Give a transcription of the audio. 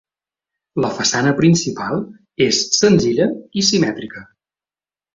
La façana principal és senzilla i simètrica.